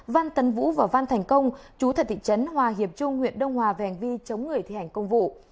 văn tân vũ và văn thành công chú thật thị trấn hòa hiệp trung huyện đông hòa vàng vi chống người thi hành công vụ